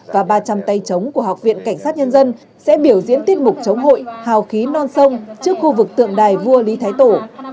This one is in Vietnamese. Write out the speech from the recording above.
và ba trăm linh tay chống của học viện cảnh sát nhân dân sẽ biểu diễn tiết mục chống hội hào khí non sông trước khu vực tượng đài vua lý thái tổ